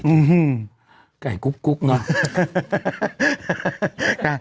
อื้อฮือไก่กุ๊บน่ะ